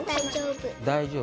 大丈夫？